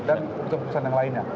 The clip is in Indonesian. dan keputusan keputusan yang lainnya